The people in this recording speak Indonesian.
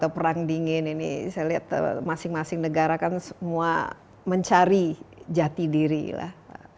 perang dingin ini saya lihat masing masing negara kan semua mencari jati diri lah